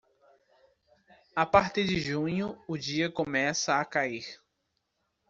A partir de junho, o dia começa a cair.